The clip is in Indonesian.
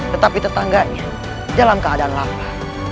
tetapi tetangganya dalam keadaan lapa